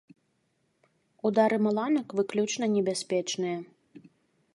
Удары маланак выключна небяспечныя.